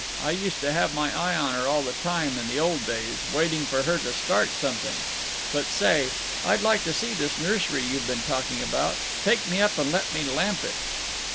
I used to have my eye on her all the time in the old days, waiting for her to start something. But say, I'd like to see this nursery you've been talking about. Take me up and let me lamp it."